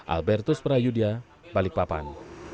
albertus prayudya balikpapan